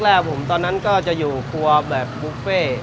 แรกผมตอนนั้นก็จะอยู่ครัวแบบบุฟเฟ่